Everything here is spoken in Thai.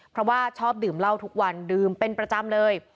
เพราะว่าชอบดื่มเหล้าทุกวันดื่มเป็นประจำเลย